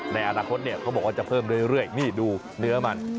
ในอนาคตเนี่ยเขาบอกว่าจะเพิ่มเรื่อยนี่ดูเนื้อมัน